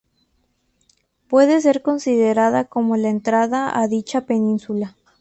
Puede ser considerada como la "entrada" a dicha península.